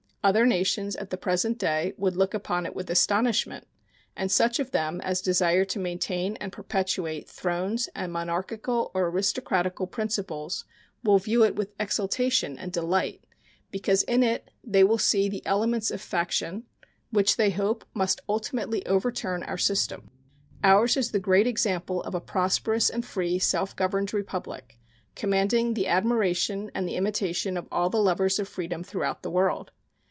Other nations at the present day would look upon it with astonishment, and such of them as desire to maintain and perpetuate thrones and monarchical or aristocratical principles will view it with exultation and delight, because in it they will see the elements of faction, which they hope must ultimately overturn our system. Ours is the great example of a prosperous and free self governed republic, commanding the admiration and the imitation of all the lovers of freedom throughout the world.